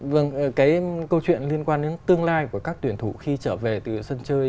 vâng cái câu chuyện liên quan đến tương lai của các tuyển thủ khi trở về từ sân chơi